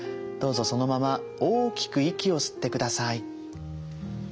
どうぞそのまま大きく息を吸って下さい。